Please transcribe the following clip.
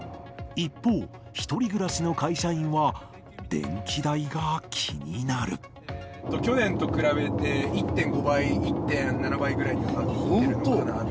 一方、１人暮らしの会社員は、去年と比べて１．５倍、１．７倍ぐらいに上がってるのかなって。